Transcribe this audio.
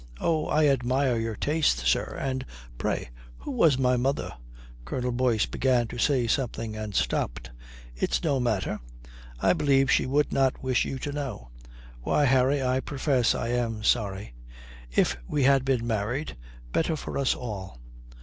Oh, I admire your taste, sir. And pray, who was my mother?" Colonel Boyce began to say something and stopped. "It's no matter. I believe she would not wish you to know. Why, Harry, I profess I am sorry. If we had been married, better for us all."